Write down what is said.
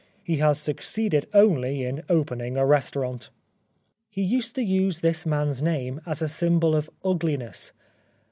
He has succeeded only in opening a restaurant." He used to use this man's name as the symbol of ugliness.